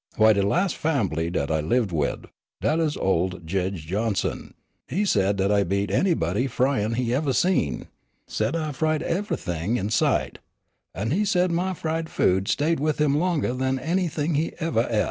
W'y, de las' fambly dat I lived wid dat uz ol' Jedge Johnson he said dat I beat anybody fryin' he evah seen; said I fried evahthing in sight, an' he said my fried food stayed by him longer than anything he evah e't.